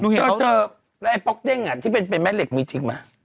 เธอแล้วไอ้ป๊อกเด้งที่เป็นแม่เหล็กมีจริงไหม